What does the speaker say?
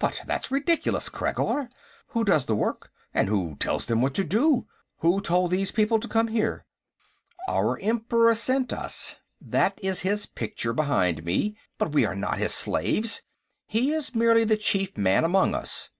"But that's ridiculous, Khreggor. Who does the work, and who tells them what to do? Who told these people to come here?" "Our Emperor sent us. That is his picture, behind me. But we are not his slaves. He is merely the chief man among us.